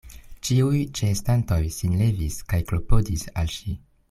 Ĉiuj ĉeestantoj sin levis kaj klopodis al ŝi.